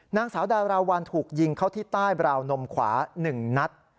นางสาวดาราวันถูกยิงเข้าที่ใต้บราวนมขวา๑นัด